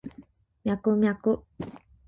ミャクミャク